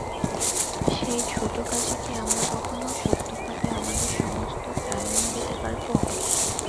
সেই ঝুঁটো কাজে কি আমরা কখনো সত্যভাবে আমাদের সমস্ত প্রাণমন দিতে পারব?